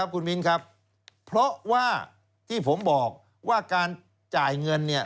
คุณมิ้นครับเพราะว่าที่ผมบอกว่าการจ่ายเงินเนี่ย